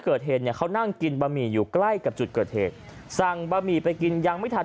เกิดเหตุเนี่ยเขานั่งกินบะหมี่อยู่ใกล้กับจุดเกิดเหตุสั่งบะหมี่ไปกินยังไม่ทัน